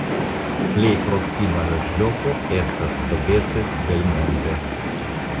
Plej proksima loĝloko estas Cogeces del Monte.